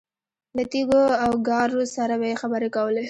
له تیږو او ګارو سره به یې خبرې کولې.